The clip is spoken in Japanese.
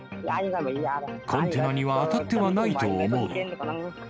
コンテナには当たってはないと思う。